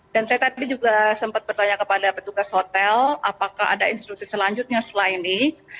dan saya tadi juga sempat bertanya kepada petugas hotel apakah ada instruksi selanjutnya selain ini